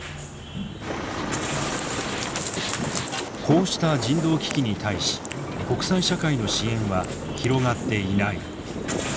こうした人道危機に対し国際社会の支援は広がっていない。